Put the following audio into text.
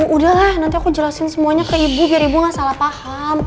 udahlah nanti aku jelasin semuanya ke ibu biar ibu gak salah paham